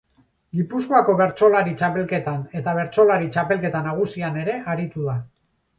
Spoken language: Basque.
Gipuzkoako Bertsolari Txapelketan eta Bertsolari Txapelketa Nagusian ere aritu da.